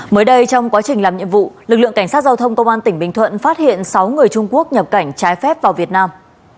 mới đây trong quá trình làm nhiệm vụ lực lượng cảnh sát giao thông công an tỉnh bình thuận phát hiện sáu người trung quốc nhập cảnh trái phép vào việt nam